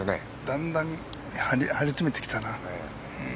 だんだん張りつめてきたな。